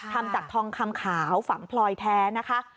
ทำจากทองคำขาวฝังพลอยแท้นะคะ